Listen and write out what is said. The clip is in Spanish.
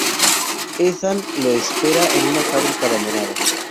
Ethan lo espera en una fábrica abandonada.